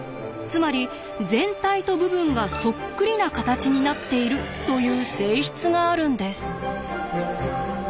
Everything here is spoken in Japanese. つまり全体と部分がそっくりな形になっているという性質があるんです。